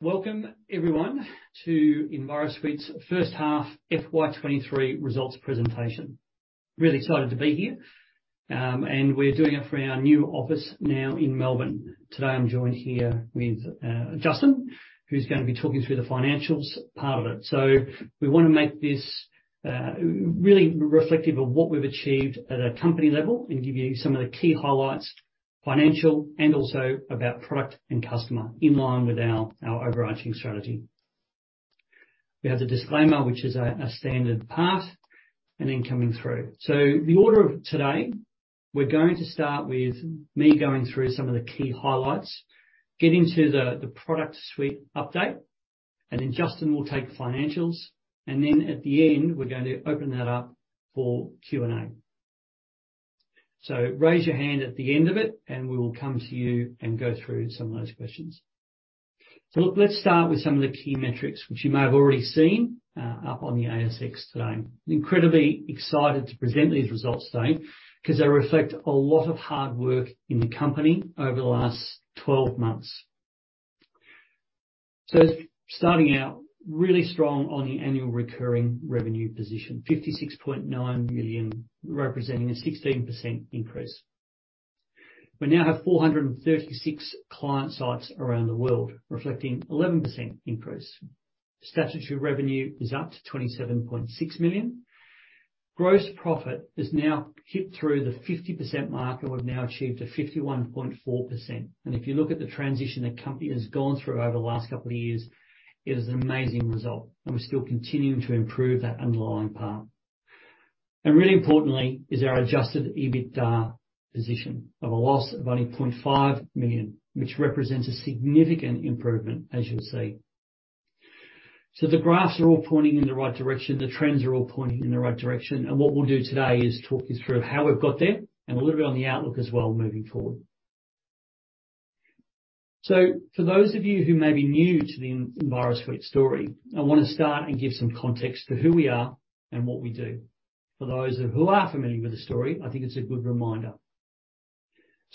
Welcome everyone to Envirosuite's first half FY2023 results presentation. Really excited to be here, and we're doing it from our new office now in Melbourne. Today I'm joined here with Justin, who's gonna be talking through the financials part of it. We wanna make this really reflective of what we've achieved at a company level and give you some of the key highlights, financial and also about product and customer in line with our overarching strategy. We have the disclaimer, which is a standard part. Coming through. The order of today, we're going to start with me going through some of the key highlights, get into the product suite update, and then Justin will take financials, and then at the end we're going to open that up for Q&A. Raise your hand at the end of it and we will come to you and go through some of those questions. Look, let's start with some of the key metrics which you may have already seen up on the ASX today. Incredibly excited to present these results today 'cause they reflect a lot of hard work in the company over the last 12 months. Starting out really strong on the annual recurring revenue position, 56.9 million, representing a 16% increase. We now have 436 client sites around the world, reflecting 11% increase. Statutory revenue is up to 27.6 million. Gross profit has now hit through the 50% mark, and we've now achieved a 51.4%. If you look at the transition the company has gone through over the last couple of years, it is an amazing result, and we're still continuing to improve that underlying path. Really importantly is our adjusted EBITDA position of a loss of only 0.5 million, which represents a significant improvement, as you'll see. The graphs are all pointing in the right direction, the trends are all pointing in the right direction. What we'll do today is talk you through how we've got there and a little bit on the outlook as well moving forward. For those of you who may be new to the Envirosuite story, I wanna start and give some context for who we are and what we do. For those of who are familiar with the story, I think it's a good reminder.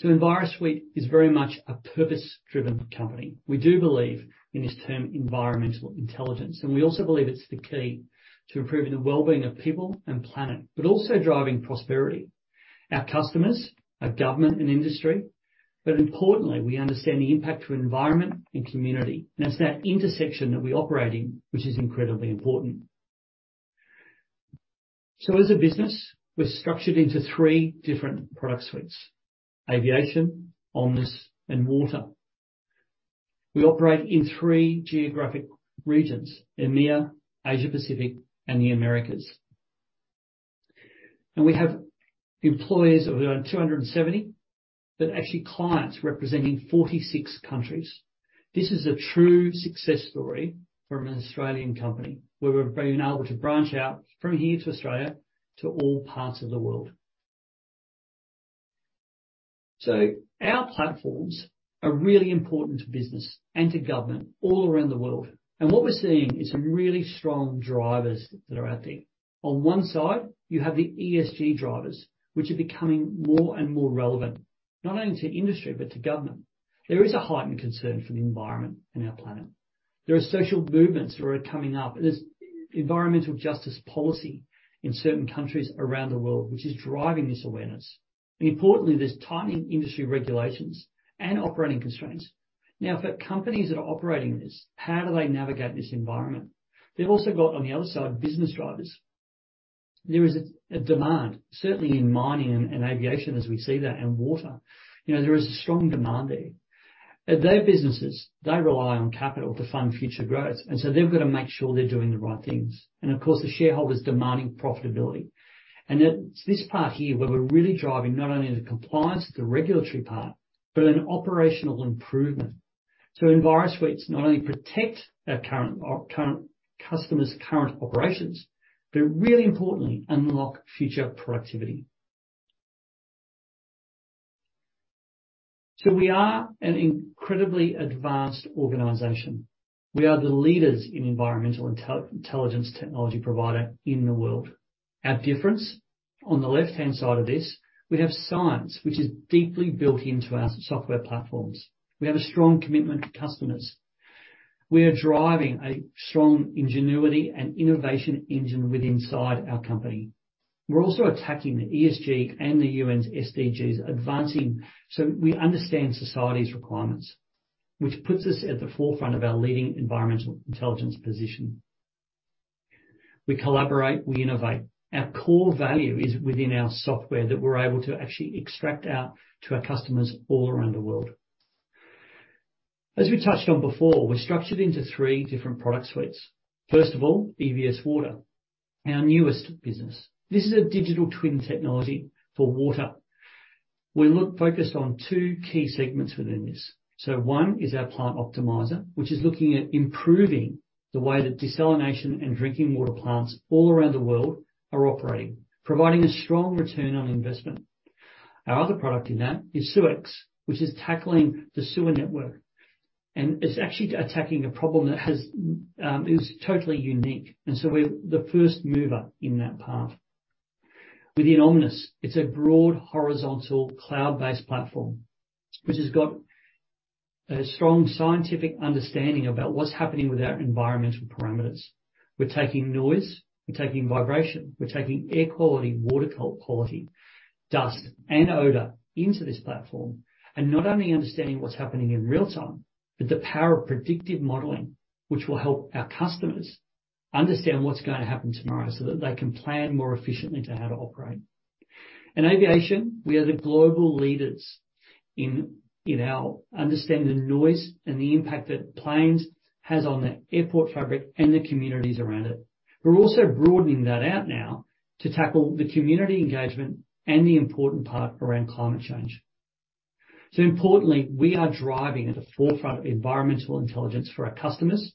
Envirosuite is very much a purpose-driven company. We do believe in this term environmental intelligence, and we also believe it's the key to improving the wellbeing of people and planet, but also driving prosperity. Our customers are government and industry, but importantly, we understand the impact to environment and community. It's that intersection that we operate in, which is incredibly important. As a business, we're structured into three different product suites: aviation, Omnis and water. We operate in three geographic regions, EMEA, Asia Pacific, and the Americas. We have employees of around 270, but actually clients representing 46 countries. This is a true success story from an Australian company where we've been able to branch out from here to Australia to all parts of the world. Our platforms are really important to business and to government all around the world. What we're seeing is some really strong drivers that are out there. On one side you have the ESG drivers, which are becoming more and more relevant, not only to industry but to government. There is a heightened concern for the environment and our planet. There are social movements that are coming up. There's environmental justice policy in certain countries around the world, which is driving this awareness. Importantly, there's tightening industry regulations and operating constraints. Now, for companies that are operating in this, how do they navigate this environment? They've also got, on the other side, business drivers. There is a demand certainly in mining and aviation as we see that, and water. You know, there is a strong demand there. Their businesses, they rely on capital to fund future growth, they've gotta make sure they're doing the right things. Of course, the shareholders demanding profitability. It's this part here where we're really driving not only the compliance with the regulatory part, but an operational improvement. Envirosuite not only protect our current customers' current operations, but really importantly, unlock future productivity. We are an incredibly advanced organization. We are the leaders in Environmental Intelligence technology provider in the world. Our difference, on the left-hand side of this, we have science, which is deeply built into our software platforms. We have a strong commitment to customers. We are driving a strong ingenuity and innovation engine with inside our company. We're also attacking the ESG and the UN's SDGs advancing so we understand society's requirements, which puts us at the forefront of our leading Environmental Intelligence position. We collaborate, we innovate. Our core value is within our software that we're able to actually extract out to our customers all around the world. As we touched on before, we're structured into three different product suites. First of all, EVS Water, our newest business. This is a digital twin technology for water. We look focused on two key segments within this. One is our Plant Optimiser, which is looking at improving the way that desalination and drinking water plants all around the world are operating, providing a strong return on investment. Our other product in that is SeweX, which is tackling the sewer network, and it's actually attacking a problem that has, is totally unique. We're the first mover in that path. Within Omnis, it's a broad horizontal cloud-based platform, which has got a strong scientific understanding about what's happening with our environmental parameters. We're taking noise, we're taking vibration, we're taking air quality, water quality, dust and odor into this platform, not only understanding what's happening in real-time, but the power of predictive modeling, which will help our customers understand what's going to happen tomorrow so that they can plan more efficiently to how to operate. In aviation, we are the global leaders in our understanding of noise and the impact that planes has on the airport fabric and the communities around it. We're also broadening that out now to tackle the community engagement and the important part around climate change. Importantly, we are driving at the forefront of environmental intelligence for our customers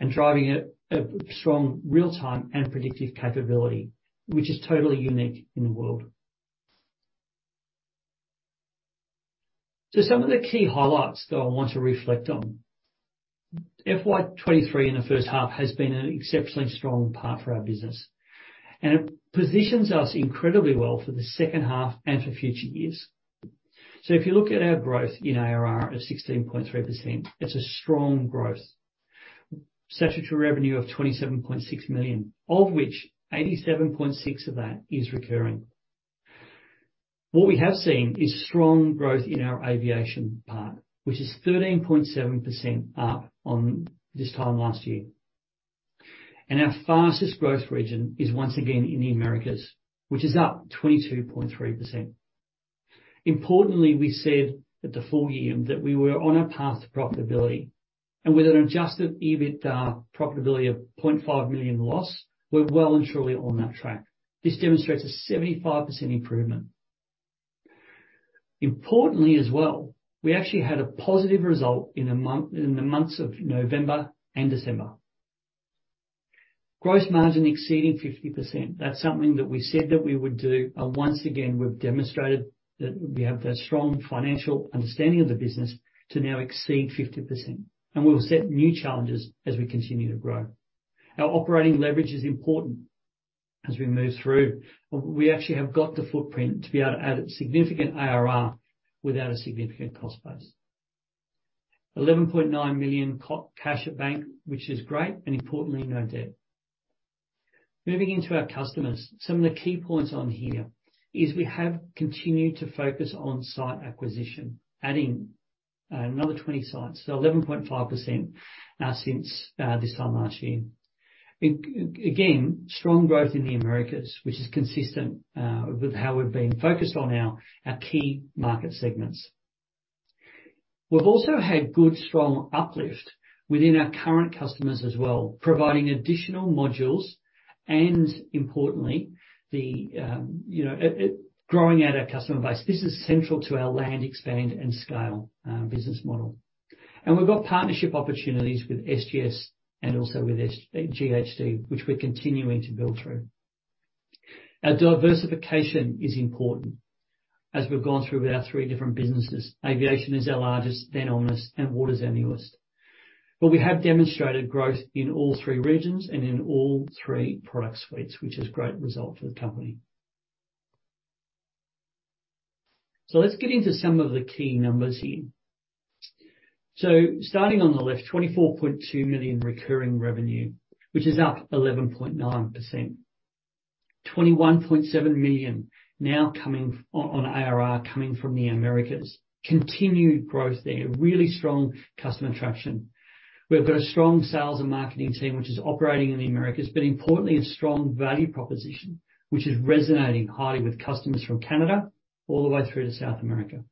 and driving a strong real-time and predictive capability, which is totally unique in the world. Some of the key highlights that I want to reflect on. FY 2023 in the first half has been an exceptionally strong part for our business, it positions us incredibly well for the second half and for future years. If you look at our growth in ARR of 16.3%, it's a strong growth. Statutory revenue of 27.6 million, of which 87.6% of that is recurring. What we have seen is strong growth in our aviation part, which is 13.7% up on this time last year. Our fastest growth region is once again in the Americas, which is up 22.3%. Importantly, we said at the full year that we were on a path to profitability and with an adjusted EBITDA profitability of 0.5 million loss, we're well and truly on that track. This demonstrates a 75% improvement. Importantly as well, we actually had a positive result in the month, in the months of November and December. Gross margin exceeding 50%. That's something that we said that we would do, and once again, we've demonstrated that we have that strong financial understanding of the business to now exceed 50%, and we'll set new challenges as we continue to grow. Our operating leverage is important as we move through. We actually have got the footprint to be able to add significant ARR without a significant cost base. 11.9 million cash at bank, which is great, and importantly, no debt. Moving into our customers. Some of the key points on here is we have continued to focus on site acquisition, adding another 20 sites, so 11.5% since this time last year. Again, strong growth in the Americas, which is consistent with how we've been focused on our key market segments. We've also had good, strong uplift within our current customers as well, providing additional modules, and importantly, the, you know, Growing out our customer base. This is central to our land expand and scale business model. We've got partnership opportunities with SGS and also with GHD, which we're continuing to build through. Our diversification is important as we've gone through with our three different businesses. Aviation is our largest, then Omnis, and Water is our newest. We have demonstrated growth in all three regions and in all three product suites, which is a great result for the company. Let's get into some of the key numbers here. Starting on the left, 24.2 million recurring revenue, which is up 11.9%. 21.7 million now coming on ARR coming from the Americas. Continued growth there. Really strong customer traction. We've got a strong sales and marketing team, which is operating in the Americas, but importantly a strong value proposition, which is resonating highly with customers from Canada all the way through to South America.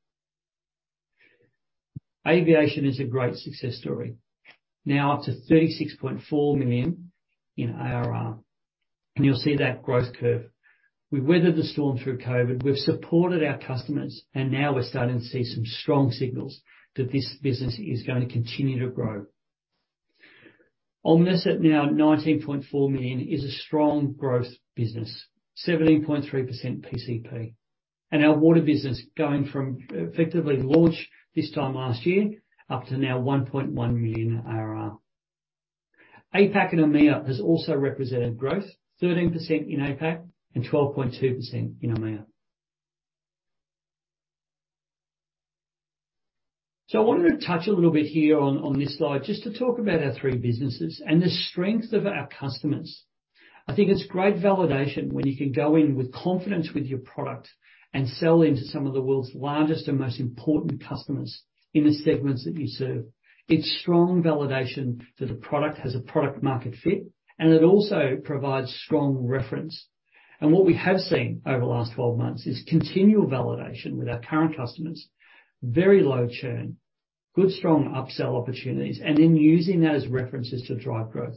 Aviation is a great success story, now up to 36.4 million in ARR, and you'll see that growth curve. We weathered the storm through COVID, we've supported our customers, and now we're starting to see some strong signals that this business is gonna continue to grow. Omnis at now 19.4 million is a strong growth business, 17.3% PCP. Our water business going from effectively launch this time last year up to now 1.1 million ARR. APAC and EMEA has also represented growth, 13% in APAC and 12.2% in EMEA. I wanted to touch a little bit here on this slide just to talk about our three businesses and the strength of our customers. I think it's great validation when you can go in with confidence with your product and sell into some of the world's largest and most important customers in the segments that you serve. It's strong validation that the product has a product market fit and it also provides strong reference. What we have seen over the last 12 months is continual validation with our current customers. Very low churn, good strong upsell opportunities, and then using that as references to drive growth.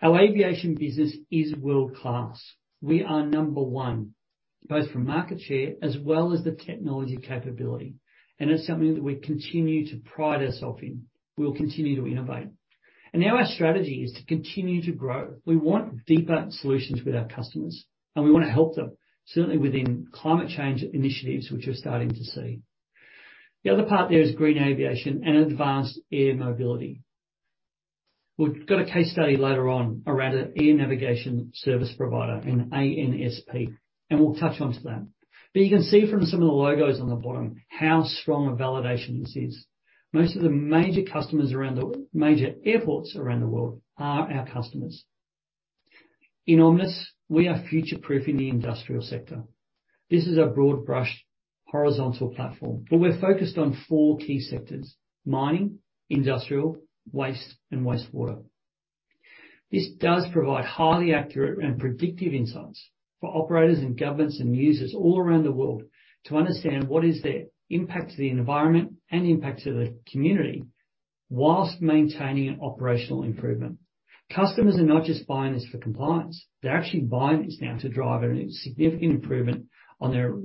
Our aviation business is world-class. We are number one, both from market share as well as the technology capability, and it's something that we continue to pride ourselves in. We'll continue to innovate. Now our strategy is to continue to grow. We want deeper solutions with our customers, and we wanna help them, certainly within climate change initiatives, which we're starting to see. The other part there is green aviation and advanced air mobility. We've got a case study later on around an air navigation service provider, an ANSP, and we'll touch on to that. You can see from some of the logos on the bottom how strong a validation this is. Most of the major airports around the world are our customers. In Omnis, we are future-proofing the industrial sector. This is a broad-brush horizontal platform. We're focused on four key sectors: mining, industrial, waste, and wastewater. This does provide highly accurate and predictive insights for operators and governments and users all around the world to understand what is their impact to the environment and impact to the community whilst maintaining operational improvement. Customers are not just buying this for compliance. They're actually buying this now to drive a significant improvement on their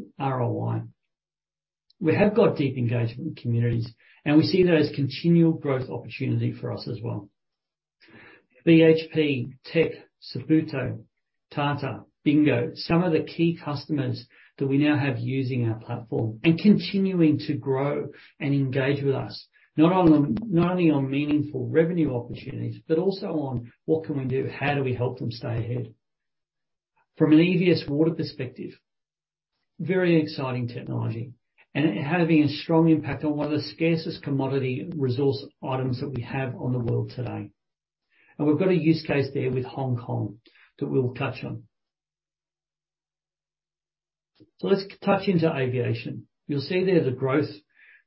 ROI. We have got deep engagement with communities, and we see that as continual growth opportunity for us as well. BHP, Teck, Sibanye-Stillwater, Tata, Bingo, some of the key customers that we now have using our platform and continuing to grow and engage with us, not only on meaningful revenue opportunities, but also on what can we do? How do we help them stay ahead? From an EVS Water perspective, very exciting technology and having a strong impact on one of the scarcest commodity resource items that we have on the world today. We've got a use case there with Hong Kong that we'll touch on. Let's touch into aviation. You'll see there's a growth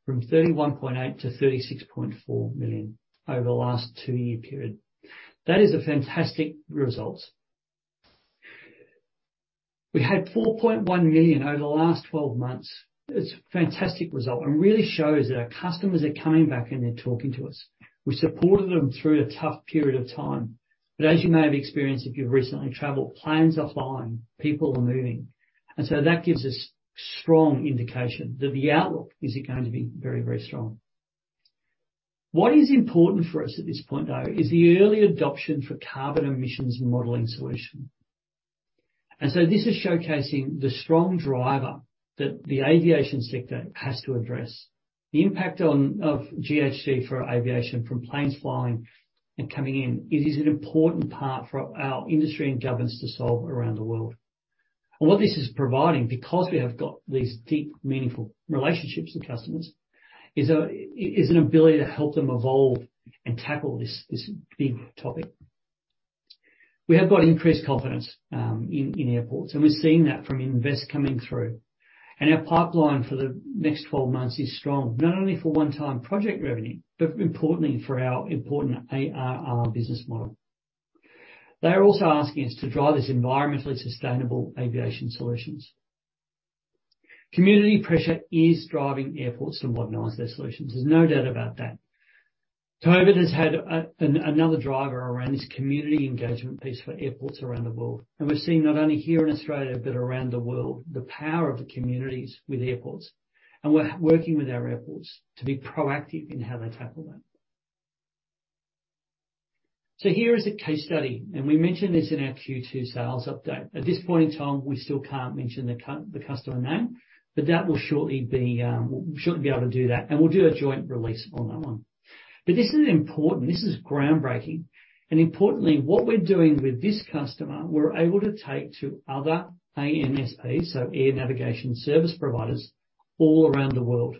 from 31.8 million to 36.4 million over the last two-year period. That is a fantastic result. We had 4.1 million over the last 12 months. It's a fantastic result and really shows that our customers are coming back, and they're talking to us. We supported them through a tough period of time, but as you may have experienced, if you've recently traveled, planes are flying, people are moving. That gives us strong indication that the outlook is going to be very, very strong. What is important for us at this point, though, is the early adoption for carbon emissions modeling solution. This is showcasing the strong driver that the aviation sector has to address. The impact of GHG for aviation from planes flying and coming in, it is an important part for our industry and governments to solve around the world. What this is providing, because we have got these deep, meaningful relationships with customers, is an ability to help them evolve and tackle this big topic. We have got increased confidence in airports, and we're seeing that from invest coming through. Our pipeline for the next 12 months is strong, not only for one-time project revenue, but importantly for our important ARR business model. They are also asking us to drive this environmentally sustainable aviation solutions. Community pressure is driving airports to modernize their solutions. There's no doubt about that. COVID has had another driver around this community engagement piece for airports around the world. We're seeing not only here in Australia, but around the world, the power of the communities with airports. We're working with our airports to be proactive in how they tackle that. Here is a case study, and we mentioned this in our Q2 sales update. At this point in time, we still can't mention the customer name, but that will shortly be, we'll shortly be able to do that, and we'll do a joint release on that one. This is important. This is groundbreaking. Importantly, what we're doing with this customer, we're able to take to other ANSPs, so air navigation service providers all around the world.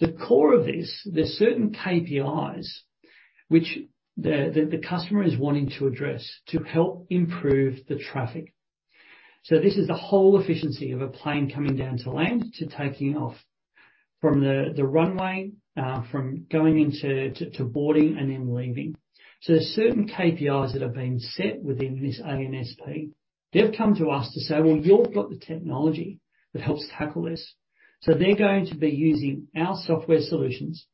The core of this, there's certain KPIs which the customer is wanting to address to help improve the traffic. This is the whole efficiency of a plane coming down to land, to taking off from the runway, from going into to boarding and then leaving. There's certain KPIs that have been set within this ANSP. They've come to us to say, "Well, you've got the technology that helps tackle this." They're going to be using our software solutions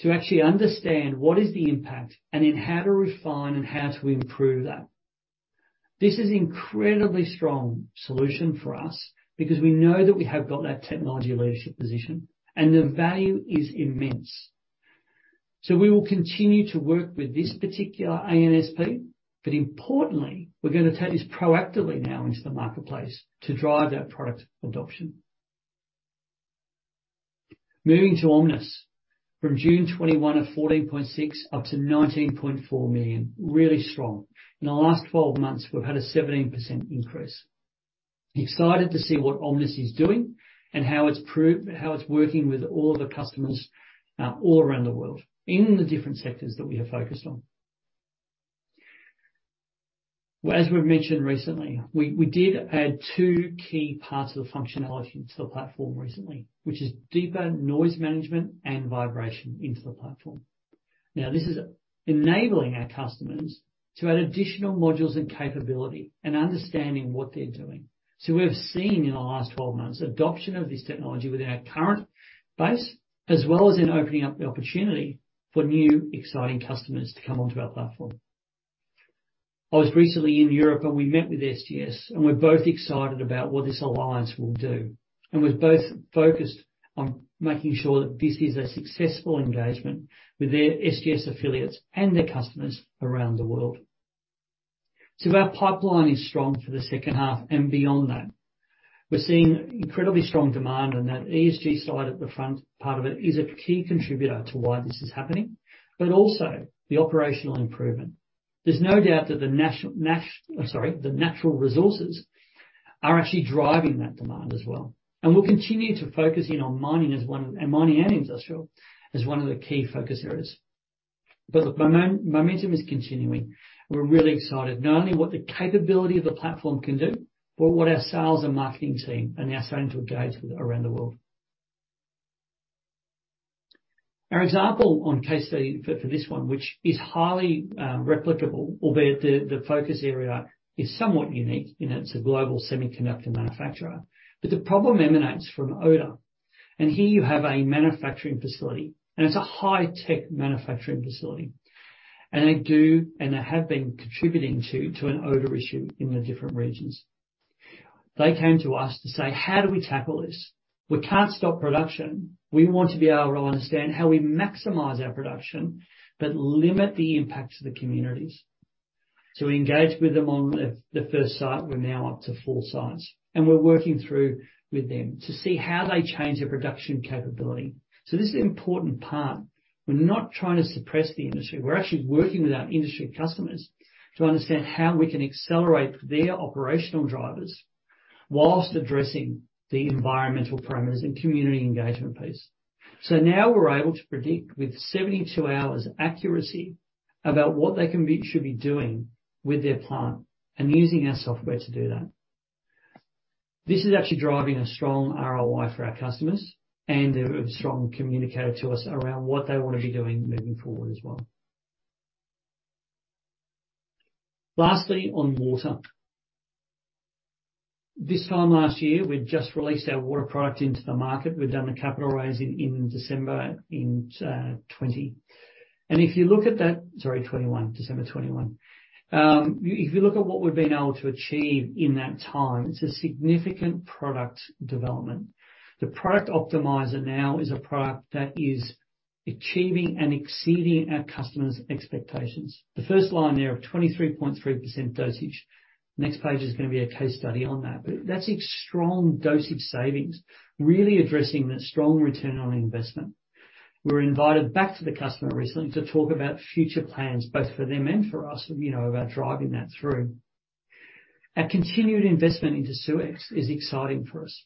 to actually understand what is the impact and in how to refine and how to improve that. This is incredibly strong solution for us because we know that we have got that technology leadership position and the value is immense. We will continue to work with this particular ANSP. Importantly, we're going to take this proactively now into the marketplace to drive that product adoption. Moving to Omnis. From June 21 at 14.6 million up to 19.4 million. Really strong. In the last 12 months, we've had a 17% increase. Excited to see what Omnis is doing and how it's working with all the customers, all around the world in the different sectors that we have focused on. As we've mentioned recently, we did add two key parts of the functionality to the platform recently, which is deeper noise management and vibration into the platform. This is enabling our customers to add additional modules and capability and understanding what they're doing. We've seen in the last 12 months adoption of this technology within our current base, as well as in opening up the opportunity for new exciting customers to come onto our platform. I was recently in Europe, and we met with STS, and we're both excited about what this alliance will do. We're both focused on making sure that this is a successful engagement with their STS affiliates and their customers around the world. Our pipeline is strong for the second half and beyond that. We're seeing incredibly strong demand on that ESG side at the front part of it is a key contributor to why this is happening, but also the operational improvement. There's no doubt that the natural resources are actually driving that demand as well. We'll continue to focus in on mining and industrial as one of the key focus areas. Look, momentum is continuing. We're really excited, not only what the capability of the platform can do, but what our sales and marketing team are now starting to engage with around the world. Our example on case study for this one, which is highly replicable, albeit the focus area is somewhat unique in that it's a global semiconductor manufacturer, the problem emanates from odor. Here you have a manufacturing facility, and it's a high-tech manufacturing facility. They have been contributing to an odor issue in the different regions. They came to us to say, "How do we tackle this? We can't stop production. We want to be able to understand how we maximize our production, but limit the impact to the communities. We engaged with them on the first site. We're now up to four sites, and we're working through with them to see how they change their production capability. This is an important part. We're not trying to suppress the industry. We're actually working with our industry customers to understand how we can accelerate their operational drivers whilst addressing the environmental parameters and community engagement piece. Now we're able to predict with 72 hours accuracy about what they should be doing with their plant and using our software to do that. This is actually driving a strong ROI for our customers and a strong communicator to us around what they wanna be doing moving forward as well. Lastly, on water. This time last year, we'd just released our water product into the market. We'd done the capital raise in December 2020. Sorry, 2021. December 2021. If you look at what we've been able to achieve in that time, it's a significant product development. The Product Optimizer now is a product that is achieving and exceeding our customers' expectations. The first line there of 23.3% dosage, next page is gonna be a case study on that's a strong dosage savings, really addressing the strong ROI. We were invited back to the customer recently to talk about future plans, both for them and for us, you know, about driving that through. Our continued investment into SeweX is exciting for us.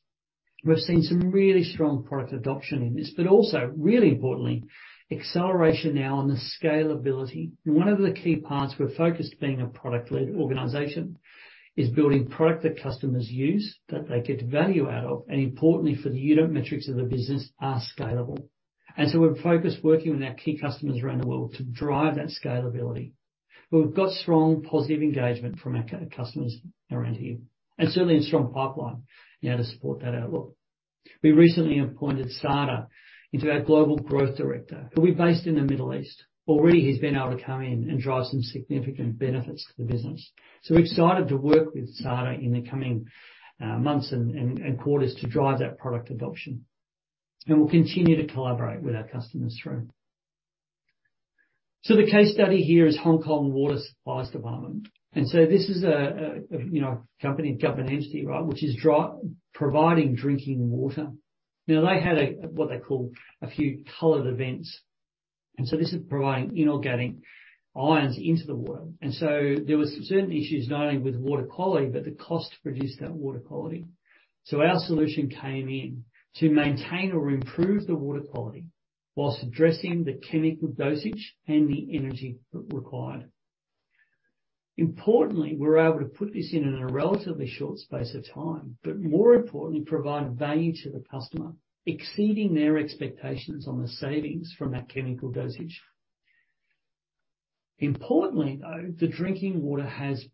We've seen some really strong product adoption in this, but also, really importantly, acceleration now on the scalability. One of the key parts we're focused being a product-led organization is building product that customers use, that they get value out of, and importantly for the unit metrics of the business, are scalable. We're focused working with our key customers around the world to drive that scalability. We've got strong positive engagement from our customers around here, and certainly a strong pipeline now to support that outlook. We recently appointed Sada into our Global Growth Director, who we based in the Middle East. Already, he's been able to come in and drive some significant benefits to the business. We're excited to work with Sada in the coming months and quarters to drive that product adoption. We'll continue to collaborate with our customers through. The case study here is Water Supplies Department. This is a, you know, company, government entity, right, which is providing drinking water. Now, they had a, what they call a few colored events. This is providing inorganic ions into the water. There was certain issues not only with water quality, but the cost to produce that water quality. Our solution came in to maintain or improve the water quality whilst addressing the chemical dosage and the energy required. Importantly, we were able to put this in in a relatively short space of time, but more importantly, provide value to the customer, exceeding their expectations on the savings from that chemical dosage. Importantly, though, the drinking water has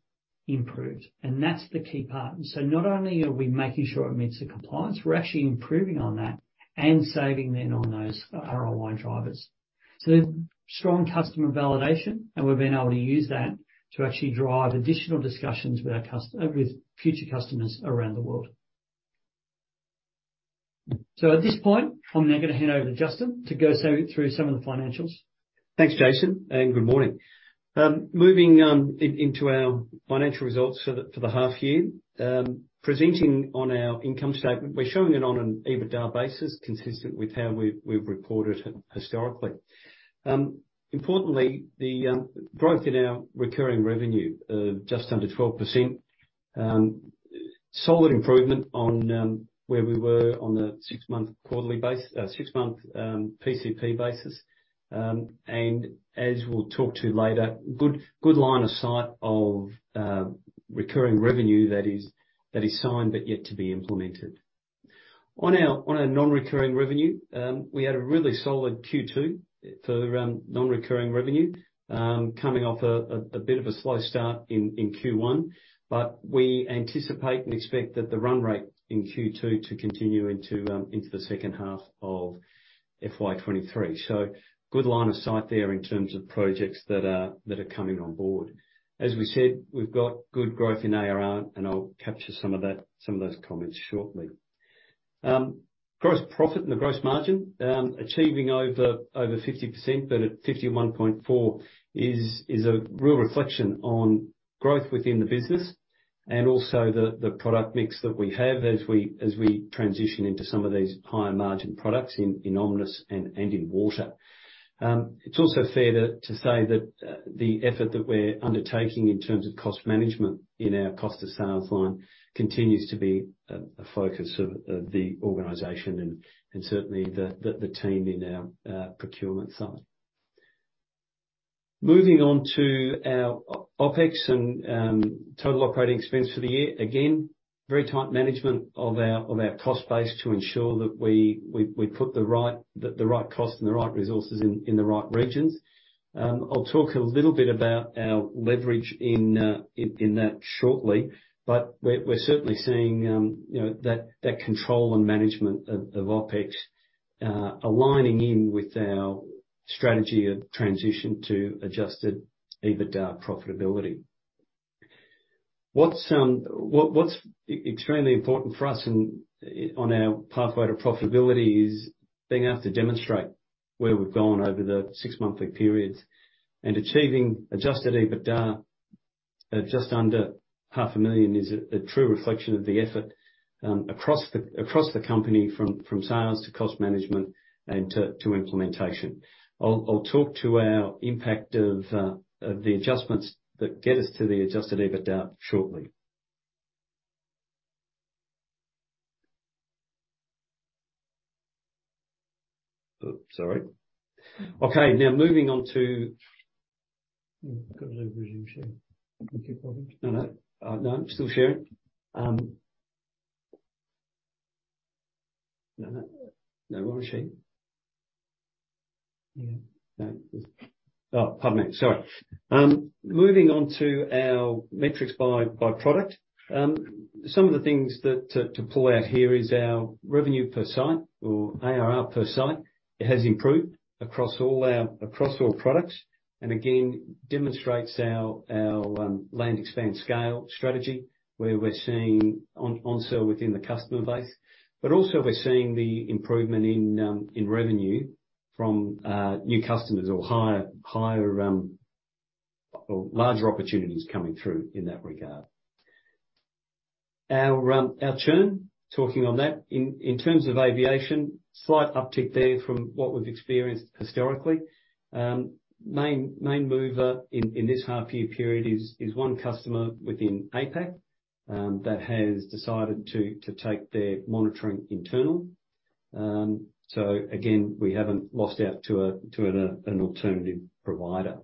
improved, and that's the key part. Not only are we making sure it meets the compliance, we're actually improving on that and saving then on those ROI drivers. There's strong customer validation, and we've been able to use that to actually drive additional discussions with our With future customers around the world. At this point, I'm now gonna hand over to Justin to go through some of the financials. Thanks, Jason, and good morning. Moving into our financial results for the half year. Presenting on our income statement, we're showing it on an EBITDA basis, consistent with how we've reported historically. Importantly, the growth in our recurring revenue, just under 12%, solid improvement on where we were on the six-month PCP basis. As we'll talk to later, good line of sight of recurring revenue that is signed but yet to be implemented. On our non-recurring revenue, we had a really solid Q2 for non-recurring revenue, coming off a bit of a slow start in Q1. We anticipate and expect that the run rate in Q2 to continue into the second half of FY 2023. Good line of sight there in terms of projects that are coming on board. As we said, we've got good growth in ARR, and I'll capture some of those comments shortly. Gross profit and the gross margin achieving over 50%, but at 51.4 is a real reflection on growth within the business and also the product mix that we have as we transition into some of these higher margin products in Omnis and in water. It's also fair to say that the effort that we're undertaking in terms of cost management in our cost of sales line continues to be a focus of the organization and certainly the team in our procurement side. Moving on to our Opex and total operating expense for the year. Very tight management of our cost base to ensure that we put the right cost and the right resources in the right regions. I'll talk a little bit about our leverage in that shortly. We're certainly seeing, you know, that control and management of Opex aligning in with our strategy of transition to adjusted EBITDA profitability. What's extremely important for us in, on our pathway to profitability is being able to demonstrate where we've gone over the 6 monthly periods. Achieving adjusted EBITDA at just under half a million is a true reflection of the effort across the company from sales to cost management and to implementation. I'll talk to our impact of the adjustments that get us to the adjusted EBITDA shortly. Oh, sorry. Okay, now moving on to... You've got a little resume share. Thank you, Justin. No. No, I'm still sharing. No. No wrong sheet. Yeah. No. Oh, pardon me. Sorry. Moving on to our metrics by product. Some of the things that to pull out here is our revenue per site or ARR per site. It has improved across all products. Again, demonstrates our land expand scale strategy, where we're seeing onsell within the customer base. Also we're seeing the improvement in revenue from new customers or higher or larger opportunities coming through in that regard. Our churn, talking on that. In terms of aviation, slight uptick there from what we've experienced historically. Main mover in this half year period is 1 customer within APAC that has decided to take their monitoring internal. Again, we haven't lost out to an alternative provider.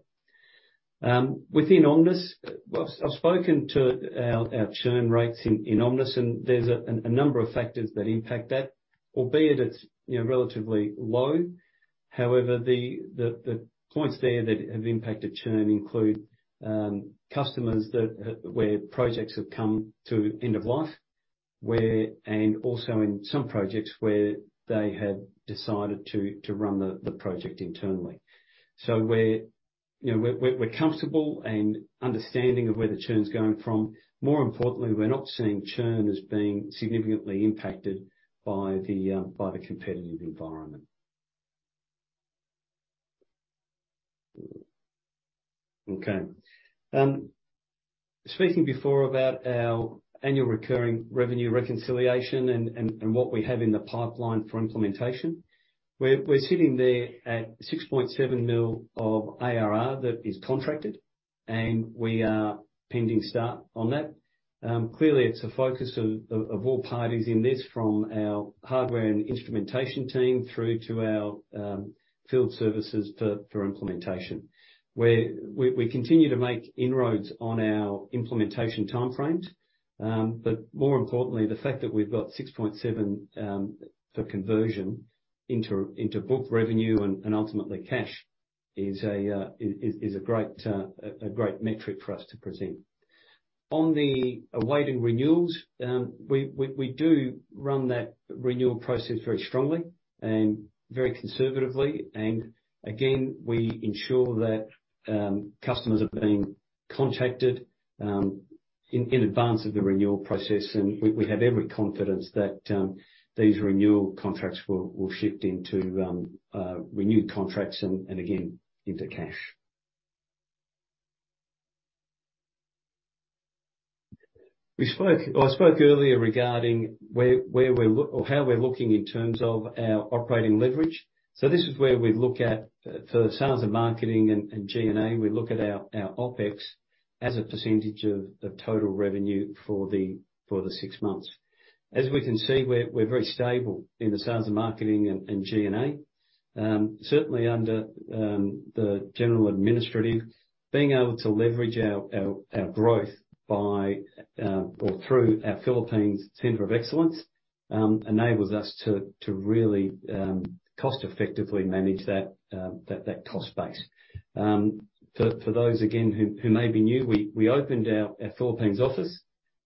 Within Omnis, well, I've spoken to our churn rates in Omnis, and there's a number of factors that impact that, albeit it's, you know, relatively low. However, the points there that have impacted churn include customers that where projects have come to end of life, where, and also in some projects where they have decided to run the project internally. We're, you know, we're comfortable and understanding of where the churn's going from. More importantly, we're not seeing churn as being significantly impacted by the competitive environment. Okay. Speaking before about our annual recurring revenue reconciliation and what we have in the pipeline for implementation. We're sitting there at 6.7 mil of ARR that is contracted, and we are pending start on that. Clearly it's a focus of all parties in this, from our hardware and instrumentation team through to our field services for implementation. We continue to make inroads on our implementation timeframes. More importantly, the fact that we've got 6.7 for conversion into book revenue and ultimately cash is a great metric for us to present. On the awaiting renewals, we do run that renewal process very strongly and very conservatively. Again, we ensure that customers are being contacted in advance of the renewal process. We have every confidence that these renewal contracts will shift into renewed contracts and again, into cash. I spoke earlier regarding where we're looking or how we're looking in terms of our operating leverage. This is where we look at for the sales and marketing and G&A, we look at our Opex as a percentage of total revenue for the six months. As we can see, we're very stable in the sales and marketing and G&A. Certainly under the general administrative, being able to leverage our growth by or through our Philippines Center of Excellence enables us to really cost effectively manage that cost base. For those, again, who may be new, we opened our Philippines office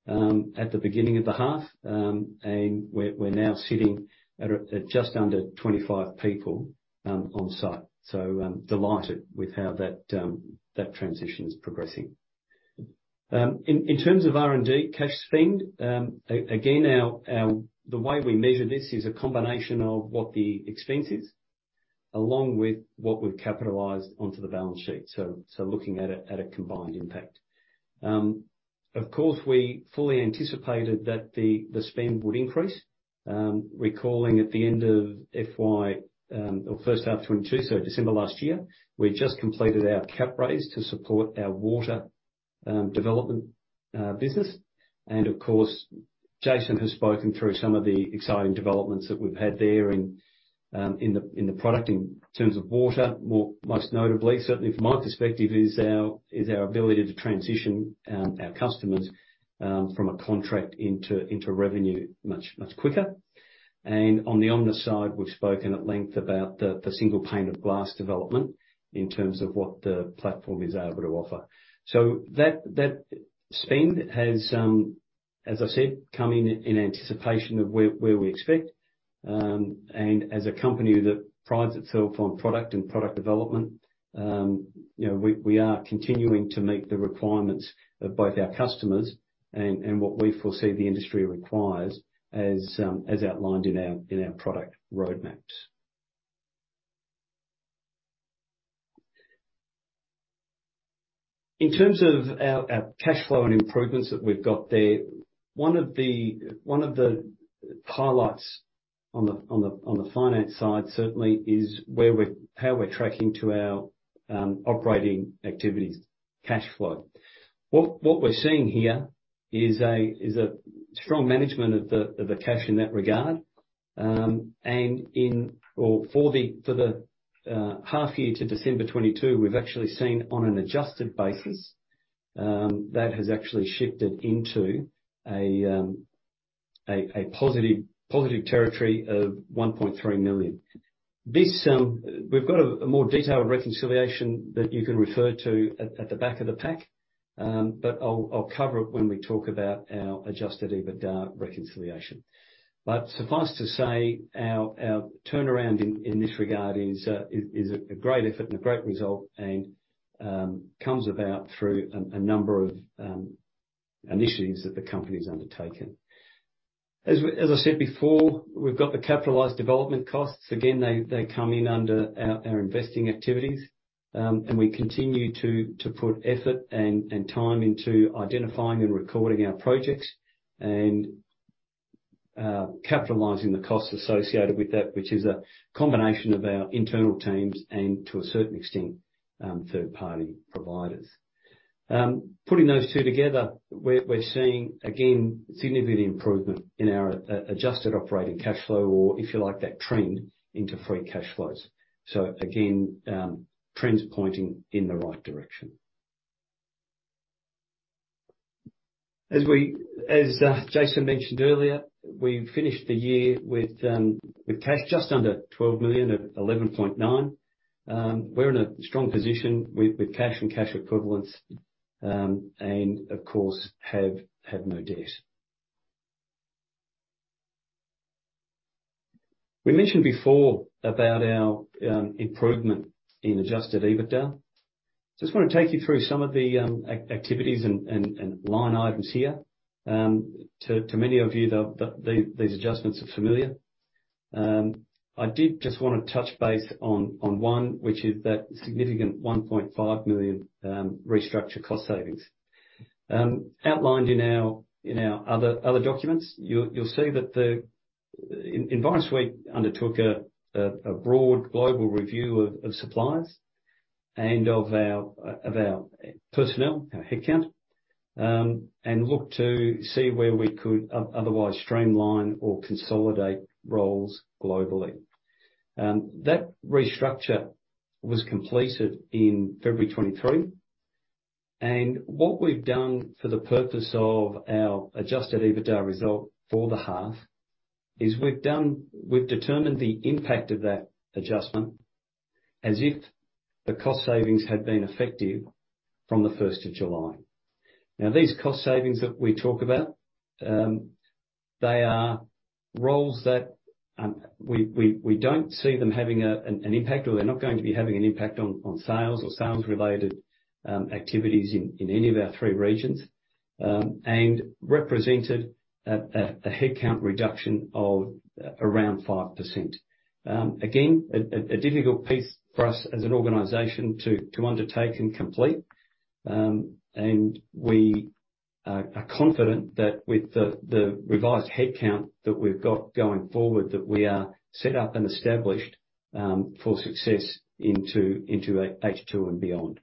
at the beginning of the half. We're now sitting at just under 25 people on site. Delighted with how that transition is progressing. In terms of R&D cash spend, our, the way we measure this is a combination of what the expense is, along with what we've capitalized onto the balance sheet, so looking at it at a combined impact. Of course, we fully anticipated that the spend would increase. Recalling at the end of FY, or first half 2022, so December last year, we just completed our cap raise to support our water development business. Of course, Jason has spoken through some of the exciting developments that we've had there in the product in terms of water. Most notably, certainly from my perspective, is our ability to transition our customers from a contract into revenue much quicker. On the Omnis side, we've spoken at length about the single pane of glass development in terms of what the platform is able to offer. That spend has, as I said, come in anticipation of where we expect. As a company that prides itself on product and product development, you know, we are continuing to meet the requirements of both our customers and what we foresee the industry requires as outlined in our product roadmaps. In terms of our cash flow and improvements that we've got there, one of the highlights on the finance side certainly is how we're tracking to our operating activities cash flow. What we're seeing here is a strong management of the cash in that regard. For the half year to December 2022, we've actually seen on an adjusted basis that has actually shifted into a positive territory of 1.3 million. This, we've got a more detailed reconciliation that you can refer to at the back of the pack, but I'll cover it when we talk about our adjusted EBITDA reconciliation. Suffice to say, our turnaround in this regard is a great effort and a great result and comes about through a number of initiatives that the company's undertaken. As I said before, we've got the capitalized development costs. Again, they come in under our investing activities. And we continue to put effort and time into identifying and recording our projects and capitalizing the costs associated with that, which is a combination of our internal teams and, to a certain extent, third-party providers. Putting those two together, we're seeing again, significant improvement in our adjusted operating cash flow or, if you like, that trend into free cash flows. Again, trends pointing in the right direction. As we, as Jason mentioned earlier, we finished the year with cash just under 12 million at 11.9 million. We're in a strong position with cash and cash equivalents, and of course have no debt. We mentioned before about our improvement in adjusted EBITDA. Just wanna take you through some of the activities and line items here. To many of you, these adjustments are familiar. I did just wanna touch base on one, which is that significant 1.5 million restructure cost savings. Outlined in our other documents, you'll see that the... Envirosuite undertook a broad global review of suppliers and of our personnel, our headcount, and looked to see where we could otherwise streamline or consolidate roles globally. That restructure was completed in February 2023. What we've done for the purpose of our adjusted EBITDA result for the half is we've determined the impact of that adjustment as if the cost savings had been effective from the 1st of July. These cost savings that we talk about, they are roles that we don't see them having an impact, or they're not going to be having an impact on sales or sales-related activities in any of our three regions, and represented a headcount reduction of around 5%. Again, a difficult piece for us as an organization to undertake and complete. We are confident that with the revised headcount that we've got going forward, that we are set up and established for success into 82 and beyond.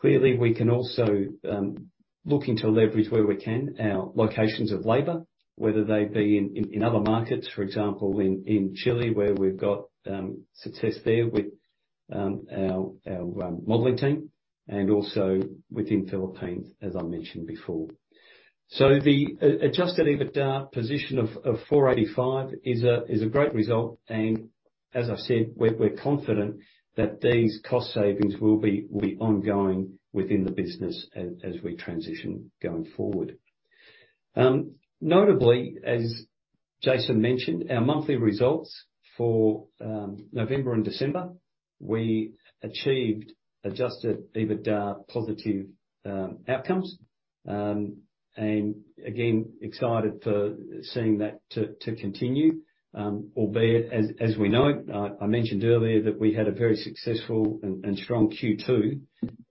Clearly, we can also looking to leverage where we can our locations of labor, whether they be in other markets, for example, in Chile, where we've got success there with our modeling team and also within Philippines, as I mentioned before. The adjusted EBITDA position of 485 is a great result and as I've said, we're confident that these cost savings will be ongoing within the business as we transition going forward. Notably as Jason mentioned our monthly results for November and December. We achieved adjusted EBITDA positive outcomes. Again, excited for seeing that to continue. Albeit as we know, I mentioned earlier that we had a very successful and strong Q2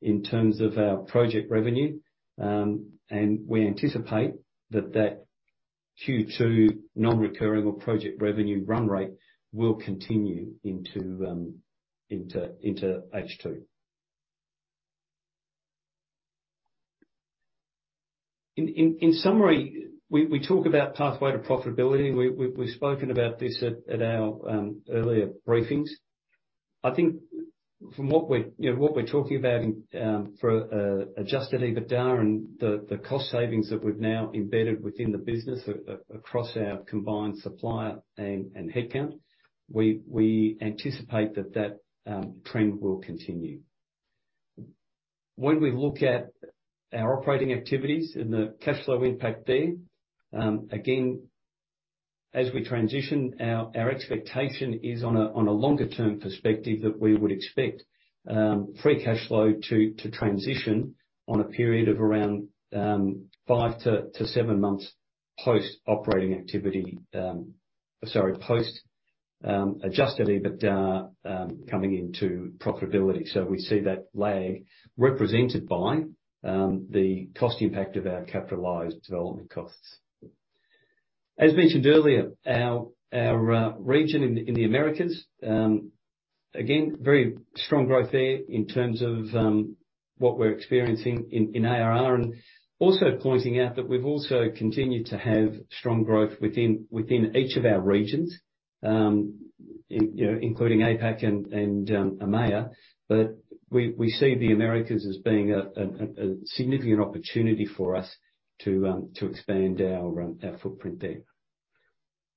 in terms of our project revenue. We anticipate that that Q2 non-recurring or project revenue run rate will continue into H2. In summary, we talk about pathway to profitability. We've spoken about this at our earlier briefings. I think from what we're, you know, what we're talking about in for adjusted EBITDA and the cost savings that we've now embedded within the business across our combined supplier and headcount, we anticipate that that trend will continue. When we look at our operating activities and the cash flow impact there, again, as we transition our expectation is on a longer-term perspective that we would expect free cash flow to transition on a period of around five to seven months post-operating activity, post adjusted EBITDA coming into profitability. We see that lag represented by the cost impact of our capitalized development costs. As mentioned earlier, our region in the Americas, again, very strong growth there in terms of what we're experiencing in ARR. Also pointing out that we've also continued to have strong growth within each of our regions, you know, including APAC and EMEA. We see the Americas as being a significant opportunity for us to expand our footprint there.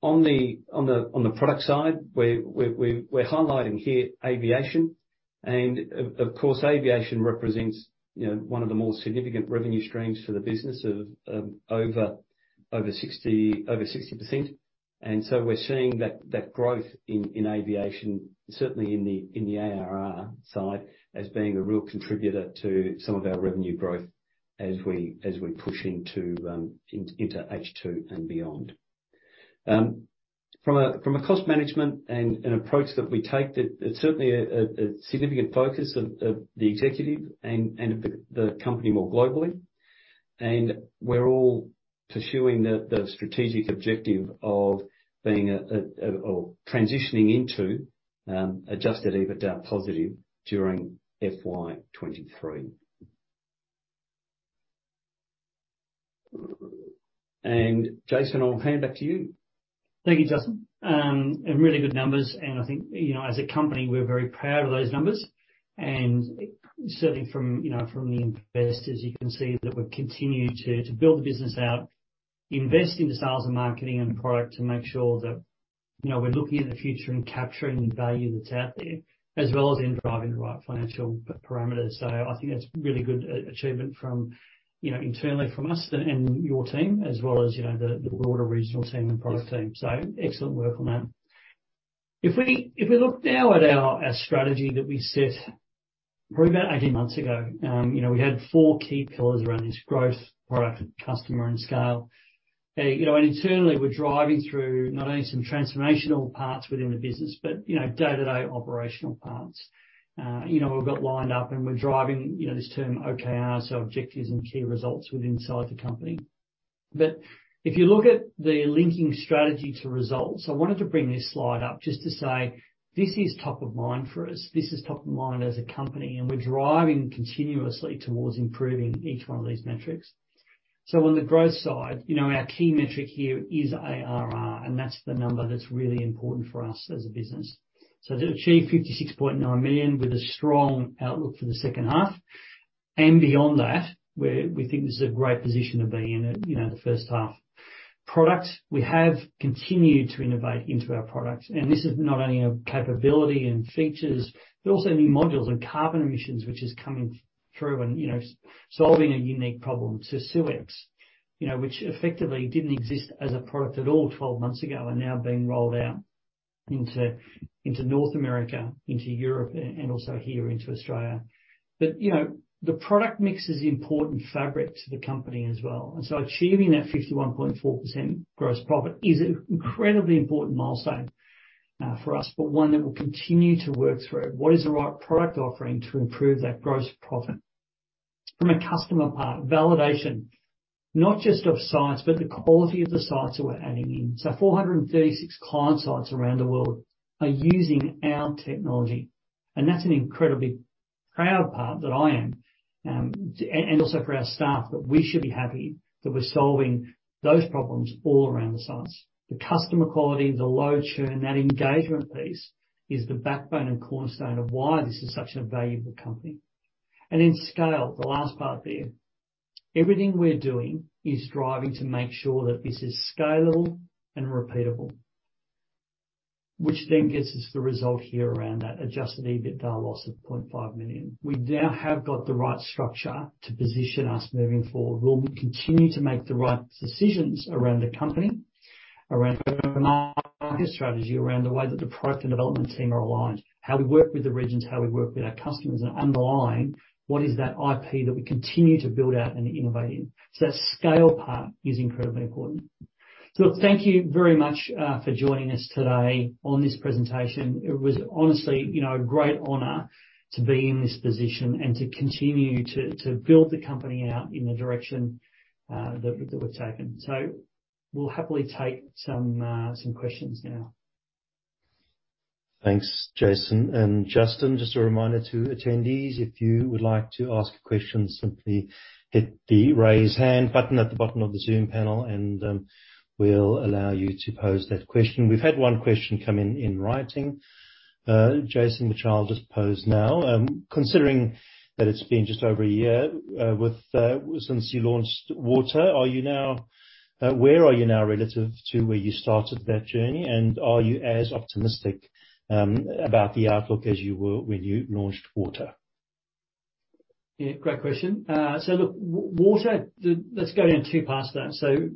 On the product side, we're highlighting here aviation. Of course, aviation represents, you know, one of the more significant revenue streams for the business of over 60%. We're seeing that growth in aviation, certainly in the ARR side, as being a real contributor to some of our revenue growth as we push into H2 and beyond. From a cost management and an approach that we take, it's certainly a significant focus of the executive and of the company more globally. We're all pursuing the strategic objective of being at or transitioning into adjusted EBITDA positive during FY 2023. Jason, I'll hand back to you. Thank you, Justin. Really good numbers. I think, you know, as a company, we're very proud of those numbers. Certainly from, you know, from the investors, you can see that we're continuing to build the business out, invest in the sales and marketing and product to make sure that, you know, we're looking in the future and capturing the value that's out there, as well as in driving the right financial parameters. I think that's really good achievement from, you know, internally from us and your team, as well as, you know, the broader regional team and product team. Excellent work on that. If we look now at our strategy that we set probably about 18 months ago, you know, we had four key pillars around this growth product, customer, and scale. You know, and internally, we're driving through not only some transformational parts within the business but, you know, day-to-day operational parts. You know, we've got lined up and we're driving, you know, this term OKR, so objectives and key results within/inside the company. If you look at the linking strategy to results, I wanted to bring this slide up just to say this is top of mind for us. This is top of mind as a company, and we're driving continuously towards improving each one of these metrics. On the growth side, you know, our key metric here is ARR, and that's the number that's really important for us as a business. To achieve 56.9 million with a strong outlook for the second half and beyond that, we think this is a great position to be in at, you know, the first half. Products. We have continued to innovate into our products, and this is not only of capability and features, but also new modules and carbon emissions, which is coming through and, you know, solving a unique problem to SeweX, you know, which effectively didn't exist as a product at all 12 months ago and now being rolled out into North America, into Europe, and also here into Australia. The product mix is an important fabric to the company as well. Achieving that 51.4% gross profit is an incredibly important milestone for us, but one that we'll continue to work through. What is the right product offering to improve that gross profit? From a customer part, validation, not just of sites, but the quality of the sites that we're adding in. 436 client sites around the world are using our technology. That's an incredibly proud part that I am, and also for our staff, that we should be happy that we're solving those problems all around the sites. The customer quality, the low churn, that engagement piece is the backbone and cornerstone of why this is such a valuable company. Then scale, the last part there. Everything we're doing is driving to make sure that this is scalable and repeatable. Which then gets us the result here around that adjusted EBITDA loss of 0.5 million. We now have got the right structure to position us moving forward. Will we continue to make the right decisions around the company, around strategy, around the way that the product and development team are aligned, how we work with the regions, how we work with our customers, and underlying what is that IP that we continue to build out and innovate in? That scale part is incredibly important. Thank you very much for joining us today on this presentation. It was honestly, you know, a great honor to be in this position and to continue to build the company out in the direction that we've taken. We'll happily take some questions now. Thanks, Jason and Justin. Just a reminder to attendees, if you would like to ask questions, simply hit the Raise Hand button at the bottom of the Zoom panel and we'll allow you to pose that question. We've had one question come in in writing. Jason, which I'll just pose now. Considering that it's been just over a year with since you launched Water, are you now where are you now relative to where you started that journey? Are you as optimistic about the outlook as you were when you launched Water? Yeah, great question. Look, Water, let's go down two paths there.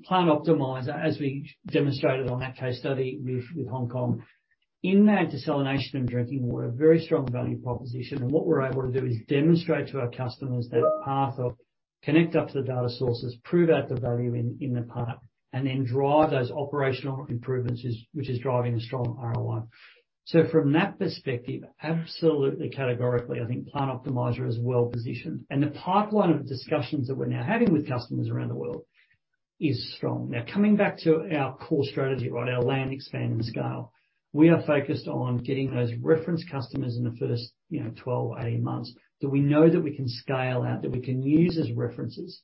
Plant Optimiser, as we demonstrated on that case study with Hong Kong, in that desalination and drinking water, very strong value proposition. What we're able to do is demonstrate to our customers that path of connect up to the data sources, prove out the value in the product, and then drive those operational improvements which is driving a strong ROI. From that perspective, absolutely, categorically, I think Plant Optimiser is well positioned. The pipeline of discussions that we're now having with customers around the world is strong. Coming back to our core strategy, right? Our land, expand and scale. We are focused on getting those reference customers in the first, you know, 12, 18 months that we know that we can scale out, that we can use as references.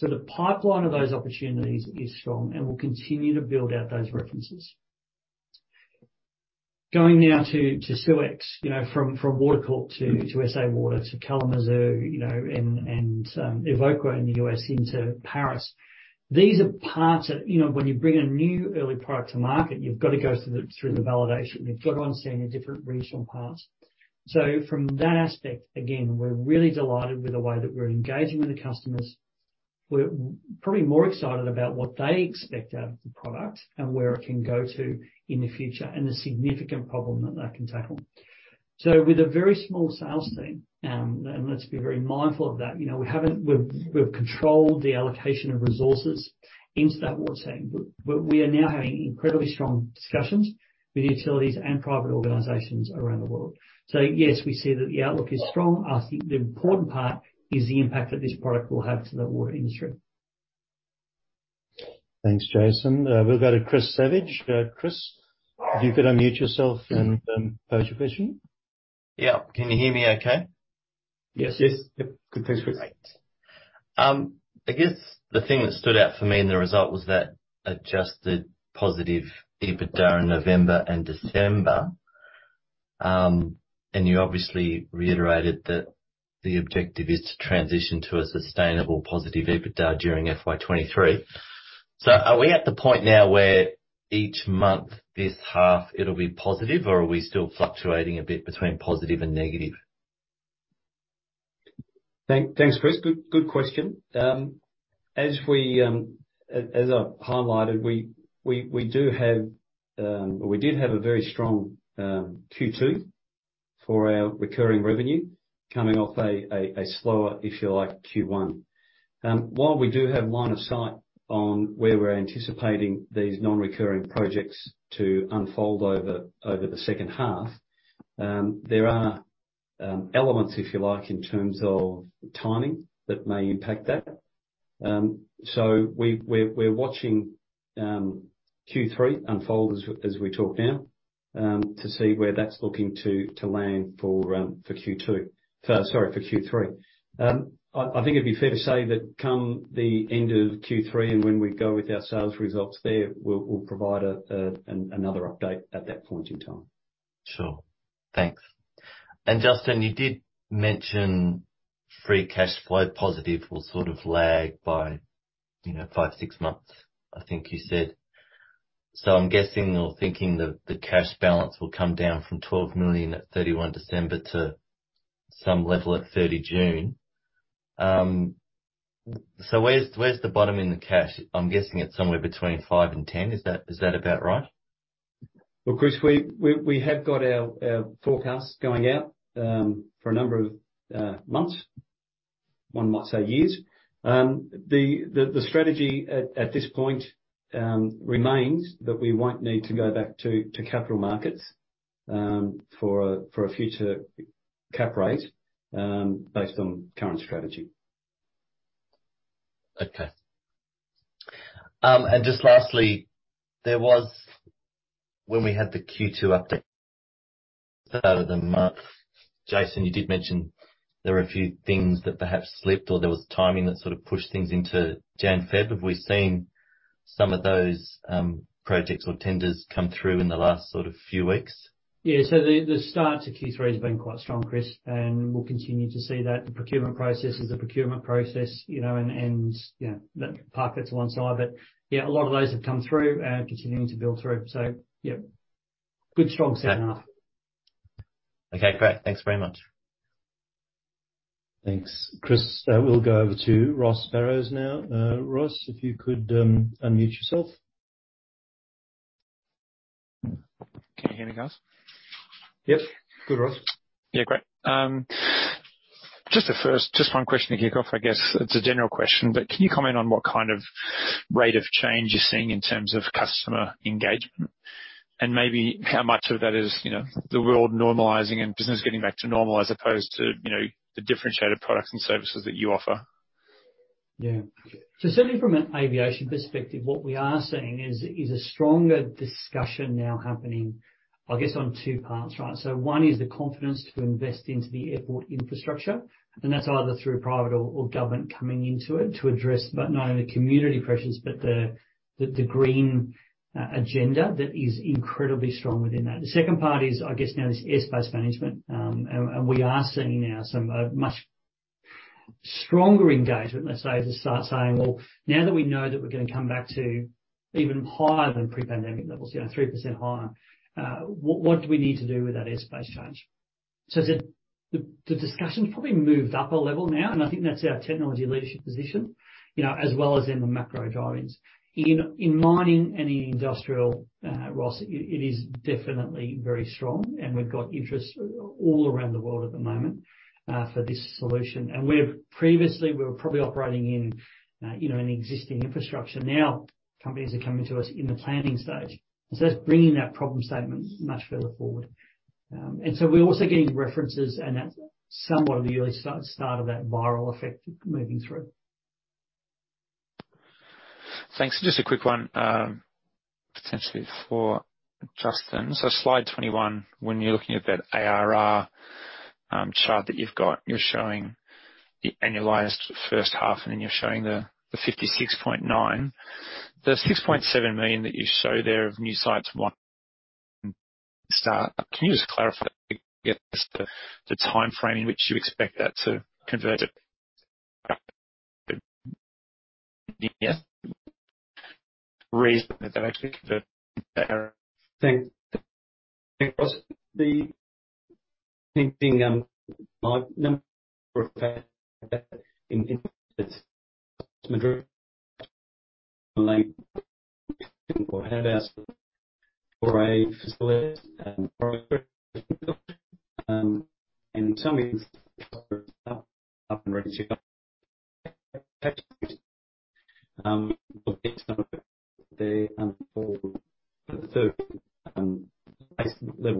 The pipeline of those opportunities is strong, and we'll continue to build out those references. Going now to SeweX, you know, from Water Corp to SA Water to Kalamazoo, you know, and Evoqua in the U.S. into Paris. These are parts that, you know, when you bring a new early product to market, you've got to go through the validation. You've got to understand your different regional parts. From that aspect, again, we're really delighted with the way that we're engaging with the customers. We're probably more excited about what they expect out of the product and where it can go to in the future, and the significant problem that can tackle. With a very small sales team, and let's be very mindful of that. You know, we've controlled the allocation of resources into that water segment. We are now having incredibly strong discussions with utilities and private organizations around the world. Yes, we see that the outlook is strong. I think the important part is the impact that this product will have to the water industry. Thanks, Jason. We'll go to Chris Savage. Chris, if you could unmute yourself and pose your question. Yeah. Can you hear me okay? Yes. Yes. Yep. Good. Thanks, Chris. Great. I guess the thing that stood out for me in the result was that adjusted positive EBITDA in November and December. You obviously reiterated that the objective is to transition to a sustainable positive EBITDA during FY 2023. Are we at the point now where each month this half it'll be positive, or are we still fluctuating a bit between positive and negative? Thanks, Chris. Good question. As I've highlighted, we do have, or we did have a very strong Q2 for our recurring revenue coming off a slower, if you like, Q1. While we do have line of sight on where we're anticipating these non-recurring projects to unfold over the second half, there are elements, if you like, in terms of timing that may impact that. We're watching Q3 unfold as we talk now, to see where that's looking to land for Q2. Sorry, for Q3. I think it'd be fair to say that come the end of Q3 and when we go with our sales results there, we'll provide another update at that point in time. Sure. Thanks. Justin, you did mention free cash flow positive will sort of lag by, you know, five, six months, I think you said. I'm guessing or thinking the cash balance will come down from 12 million at 31 December to some level at 30 June. Where's the bottom in the cash? I'm guessing it's somewhere between 5 million and 10 million. Is that about right? Well, Chris, we have got our forecast going out for a number of months, one might say years. The strategy at this point remains that we won't need to go back to capital markets for a future cap rate based on current strategy. Okay. Just lastly, when we had the Q2 update earlier in the month, Jason, you did mention there were a few things that perhaps slipped or there was timing that sort of pushed things into January, February. Have we seen some of those projects or tenders come through in the last sort of few weeks? Yeah. The start to Q3 has been quite strong, Chris, and we'll continue to see that. The procurement process is a procurement process, you know, and, you know, park that to one side. Yeah, a lot of those have come through and continuing to build through. Yeah, good, strong second half. Okay, great. Thanks very much. Thanks, Chris. We'll go over to Ross Barrows now. Ross, if you could, unmute yourself. Can you hear me, guys? Yep. Good, Ross. Yeah. Great. Just one question to kick off. I guess it's a general question, but can you comment on what kind of rate of change you're seeing in terms of customer engagement and maybe how much of that is, you know, the world normalizing and business getting back to normal as opposed to, you know, the differentiated products and services that you offer? Certainly from an aviation perspective, what we are seeing is a stronger discussion now happening, I guess on two parts, right? One is the confidence to invest into the airport infrastructure, and that's either through private or government coming into it to address but not only community pressures, but the green agenda that is incredibly strong within that. The second part is, I guess now this airspace management, and we are seeing now some much stronger engagement, let's say, to start saying, "Well, now that we know that we're gonna come back to even higher than pre-pandemic levels, you know, 3% higher, what do we need to do with that airspace change?" The discussion's probably moved up a level now, and I think that's our technology leadership position, you know, as well as in the macro drivers. In mining and in industrial, Ross, it is definitely very strong and we've got interest all around the world at the moment for this solution. Where previously we were probably operating in, you know, an existing infrastructure, now companies are coming to us in the planning stage. That's bringing that problem statement much further forward. We're also getting references and that's somewhat of the early start of that viral effect moving through. Thanks. Just a quick one, potentially for Justin. Slide 21, when you're looking at that ARR chart that you've got, you're showing the annualized first half, and then you're showing the 56.9. The 6.7 million that you show there of new sites one start. Can you just clarify, I guess, the timeframe in which you expect that to convert it? Reason that that actually convert that ARR. Thanks. Thanks,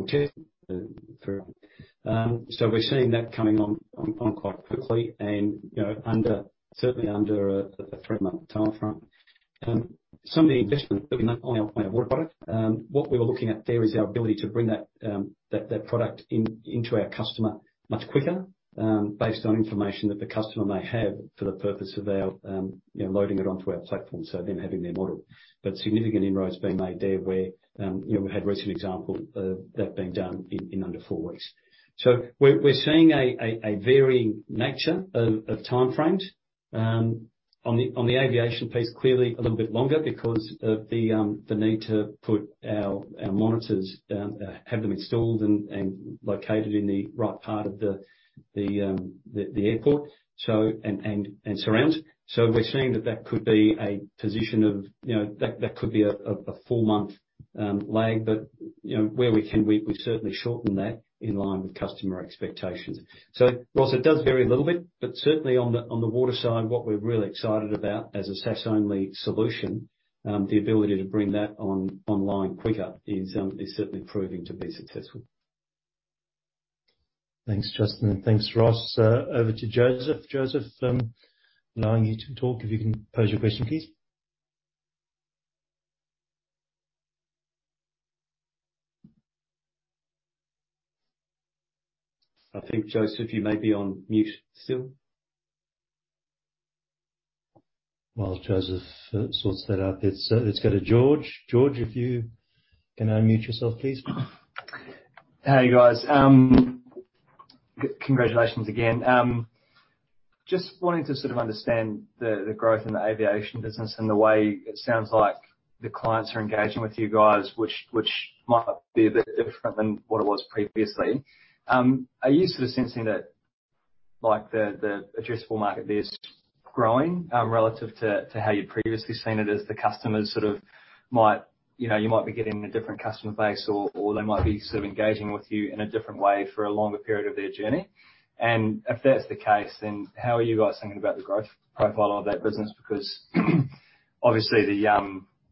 Ross. [inaudible] We're seeing that coming on quite quickly and, you know, under, certainly under a three-month timeframe. Some of the investments that we made on our water product, what we were looking at there is our ability to bring that product in, into our customer much quicker, based on information that the customer may have for the purpose of our, you know, loading it onto our platform, so them having their model. Significant inroads being made there where, you know, we had recent example of that being done in under four weeks. We're seeing a varying nature of time frames. On the aviation piece, clearly a little bit longer because of the need to put our monitors down, have them installed and located in the right part of the airport and surrounds. We're seeing that could be a position of, you know, that could be a four-month lag. You know, where we can we've certainly shortened that in line with customer expectations. Ross, it does vary a little bit, but certainly on the water side, what we're really excited about as a SaaS-only solution, the ability to bring that online quicker is certainly proving to be successful. Thanks, Justin. Thanks, Ross. Over to Joseph. Joseph, allowing you to talk, if you can pose your question, please. I think, Joseph, you may be on mute still. While Joseph sorts that out, let's go to George. George, if you can unmute yourself, please. Hey, guys. Congratulations again. Just wanting to sort of understand the growth in the aviation business and the way it sounds like the clients are engaging with you guys, which might be a bit different than what it was previously. Are you sort of sensing that, like, the addressable market there is growing, relative to how you'd previously seen it as the customers sort of might, you know, you might be getting a different customer base or they might be sort of engaging with you in a different way for a longer period of their journey? If that's the case, then how are you guys thinking about the growth profile of that business? Obviously the,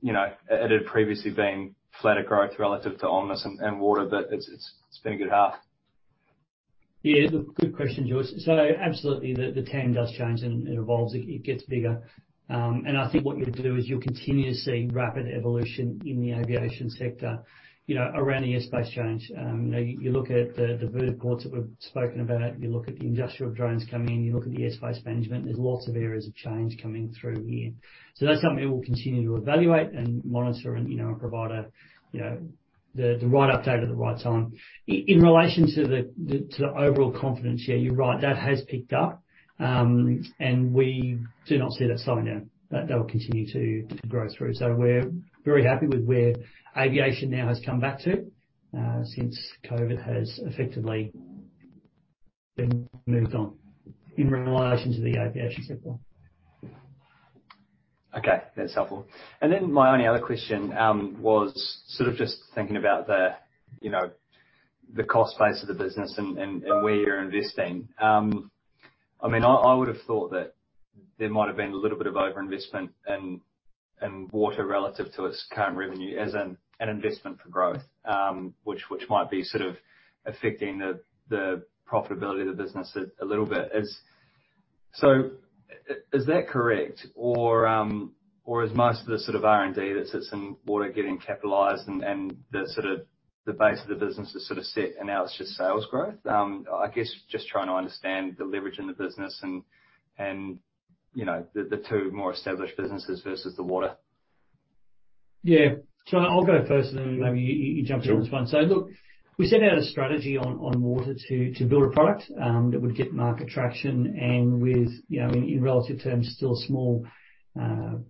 you know, it had previously been flatter growth relative to Omnis and Water, but it's been a good half. Yeah, good question, George. Absolutely the TAM does change and evolves. It gets bigger. I think what you'll do is you'll continue to see rapid evolution in the aviation sector, you know, around the airspace change. You know, you look at the vertiports that we've spoken about, you look at the industrial drones coming in, you look at the airspace management, there's lots of areas of change coming through here. That's something we'll continue to evaluate and monitor and, you know, and provide a, you know, the right update at the right time. In relation to the overall confidence, yeah, you're right, that has picked up. We do not see that slowing down. That will continue to grow through. We're very happy with where aviation now has come back to, since COVID has effectively been moved on in relation to the aviation sector. Okay, that's helpful. My only other question was sort of just thinking about the, you know, the cost base of the business and where you're investing. I mean, I would have thought that there might have been a little bit of overinvestment in water relative to its current revenue as an investment for growth, which might be affecting the profitability of the business a little bit. Is that correct? Or is most of the sort of R&D that sits in water getting capitalized and the sort of the base of the business is sort of set and now it's just sales growth? I guess just trying to understand the leverage in the business and, you know, the two more established businesses versus the water. Yeah. I'll go first and then maybe you jump in on this one. Sure. Look, we set out a strategy on water to build a product that would get market traction and with, you know, in relative terms, still small,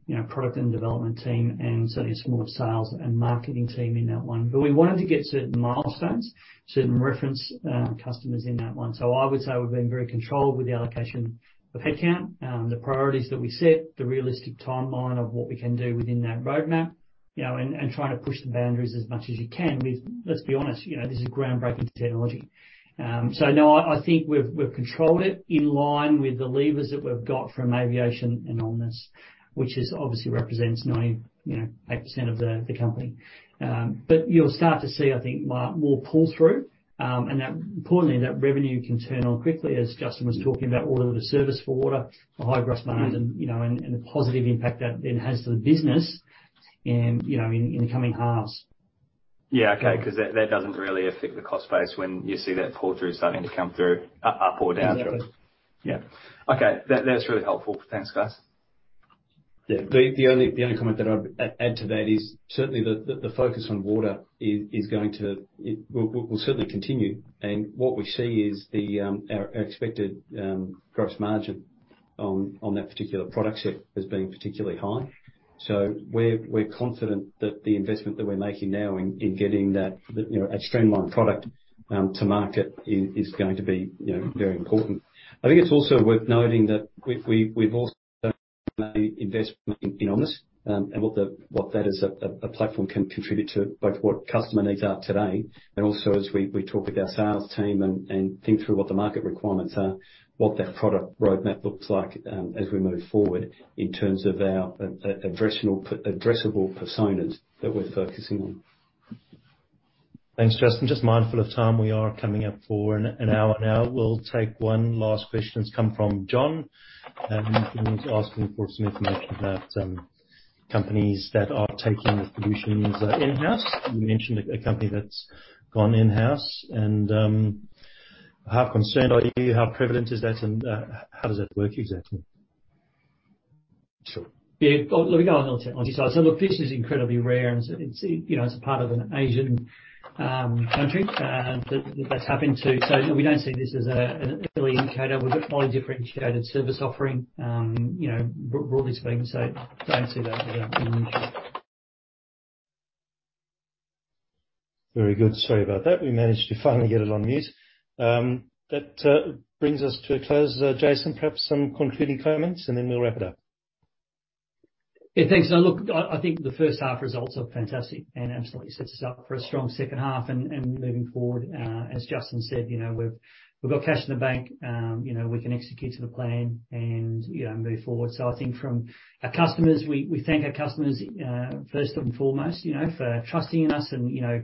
you know, product and development team and certainly a smaller sales and marketing team in that one. We wanted to get certain milestones, certain reference customers in that one. I would say we've been very controlled with the allocation of headcount, the priorities that we set, the realistic timeline of what we can do within that roadmap, you know, and trying to push the boundaries as much as you can with. Let's be honest, you know, this is groundbreaking technology. No, I think we've controlled it in line with the levers that we've got from aviation and Omnis, which is obviously represents 98%, you know, of the company. You'll start to see, I think, Mark, more pull-through, and that importantly, that revenue can turn on quickly, as Justin was talking about order to service for water, the high gross margins...... you know, and the positive impact that it has to the business in, you know, in the coming halves. Yeah. Okay. 'Cause that doesn't really affect the cost base when you see that pull-through starting to come through up or down through. Exactly. Yeah. Okay. That, that's really helpful. Thanks, guys. Yeah. The only comment that I'd add to that is certainly the focus on water. It will certainly continue. What we see is our expected gross margin on that particular product set as being particularly high. We're confident that the investment that we're making now in getting that, you know, a streamlined product to market is going to be, you know, very important. I think it's also worth noting that we've also made investment in Omnis, and what that as a platform can contribute to both what customer needs are today and also as we talk with our sales team and think through what the market requirements are, what that product roadmap looks like as we move forward in terms of our addressable personas that we're focusing on. Thanks, Justin. Just mindful of time, we are coming up for an hour now. We'll take one last question. It's come from John. He's asking for some information about companies that are taking the solutions in-house. You mentioned a company that's gone in-house. How concerned are you? How prevalent is that? How does that work exactly? Sure. Yeah. Let me go on to it. Look, this is incredibly rare and it's, you know, it's part of an Asian country that's happened to. We don't see this as an early indicator. We've got highly differentiated service offering, you know, broadly speaking, so don't see that as an indicator. Very good. Sorry about that. We managed to finally get it on mute. That brings us to a close. Jason, perhaps some concluding comments, and then we'll wrap it up. Thanks. Look, I think the first half results are fantastic and absolutely sets us up for a strong second half and moving forward. As Justin said, you know, we've got cash in the bank, you know, we can execute to the plan and, you know, move forward. I think from our customers, we thank our customers, first and foremost, you know, for trusting in us and, you know,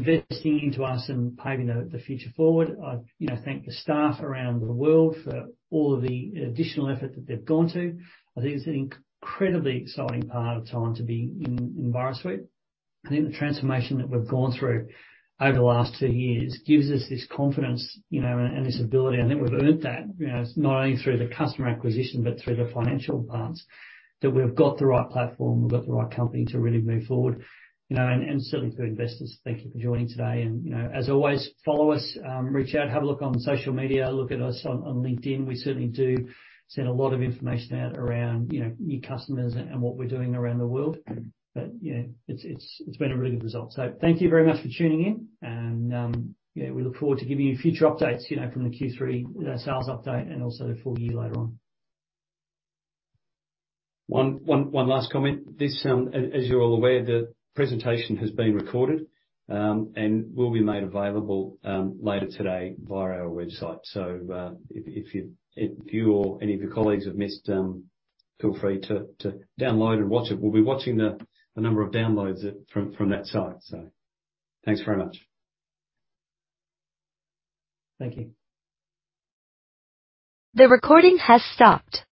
investing into us and paving the future forward. I, you know, thank the staff around the world for all of the additional effort that they've gone to. I think it's an incredibly exciting part of time to be in Envirosuite. I think the transformation that we've gone through over the last two years gives us this confidence, you know, and this ability. I think we've earned that, you know, not only through the customer acquisition, but through the financial parts, that we've got the right platform, we've got the right company to really move forward. You know, and certainly for investors, thank you for joining today. You know, as always, follow us, reach out, have a look on social media, look at us on LinkedIn. We certainly do send a lot of information out around, you know, new customers and what we're doing around the world. You know, it's, it's been a really good result. Thank you very much for tuning in, and yeah, we look forward to giving you future updates, you know, from the Q3 sales update and also the full year later on. One last comment. This, as you're all aware, the presentation has been recorded, and will be made available later today via our website. If you or any of your colleagues have missed, feel free to download and watch it. We'll be watching the number of downloads it from that site. Thanks very much. Thank you. The recording has stopped.